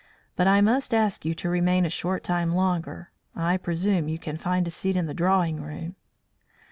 But I must ask you to remain a short time longer. I presume you can find a seat in the drawing room."